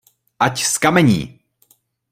Ať zkamení!